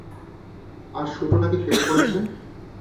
আর শুটু নাকি ফেল করেছে।